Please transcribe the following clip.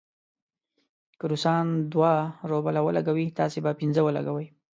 که روسان دوه روبله ولګوي، تاسې به پنځه ولګوئ.